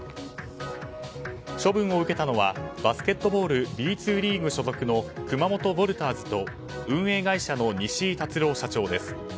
処分を受けたのはバスケットボールＢ２リーグ所属の熊本ヴォルターズと運営会社の西井辰朗社長です。